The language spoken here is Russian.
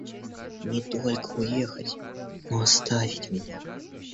Не только уехать, но оставить меня.